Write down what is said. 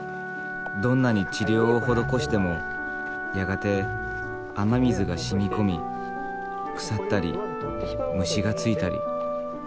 どんなに治療を施してもやがて雨水が染み込み腐ったり虫がついたり。